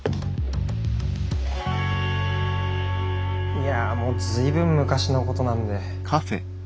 いやもう随分昔のことなんで。